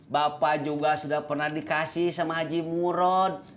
bapak juga sudah pernah dikasih sama haji murod